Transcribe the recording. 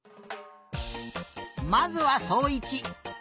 まずはそういち。